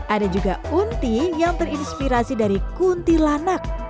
ada juga unti yang terinspirasi dari kuntilanak